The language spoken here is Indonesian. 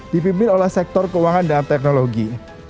dipimpin oleh sektor keuangan dan teknologi